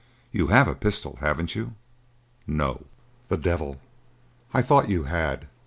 You have a pistol, haven't you?" "No." "The devil! I thought you had.